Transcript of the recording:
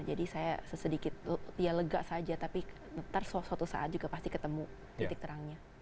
jadi saya sedikit ya lega saja tapi nanti suatu saat juga pasti ketemu titik terangnya